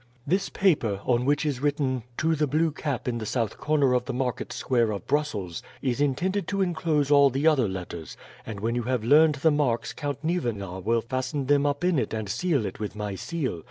"This paper, on which is written 'To the Blue Cap in the South Corner of the Market Square of Brussels,' is intended to inclose all the other letters, and when you have learned the marks Count Nieuwenar will fasten them up in it and seal it with my seal.